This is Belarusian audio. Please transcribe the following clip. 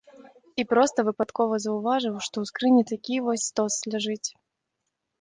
І проста выпадкова заўважыў, што ў скрыні такі вось стос ляжыць.